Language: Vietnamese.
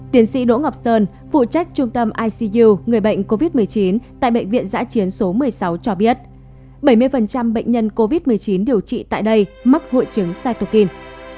tiến sĩ đỗ ngọc sơn phụ trách trung tâm ic you người bệnh covid một mươi chín tại bệnh viện giã chiến số một mươi sáu cho biết bảy mươi bệnh nhân covid một mươi chín điều trị tại đây mắc hội chứng sai